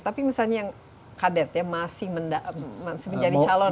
tapi misalnya kadet yang masih menjadi calon